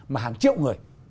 mà hàng triệu người